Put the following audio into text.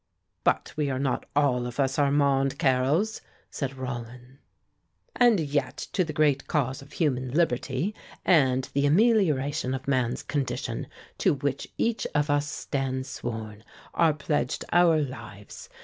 "But we are not all of us Armand Carrels," said Rollin. "And yet, to the great cause of human liberty, and the amelioration of man's condition, to which each of us stands sworn, are pledged our lives.